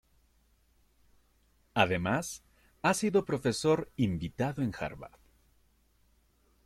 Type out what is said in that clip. Además, ha sido profesor invitado en Harvard.